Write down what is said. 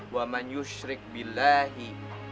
wa man yusrik bilahi